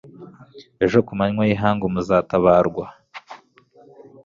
ejo ku manywa y'ihangu muzatabarwa